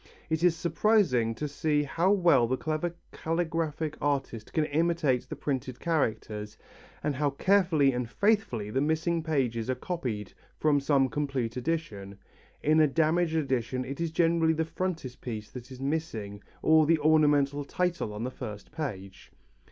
It is surprising to see how well the clever calligraphic artist can imitate the printed characters, and how carefully and faithfully the missing pages are copied from some complete edition. In a damaged edition it is generally the frontispiece that is missing or the ornamental title on the first page.